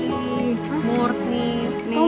oh ini lagi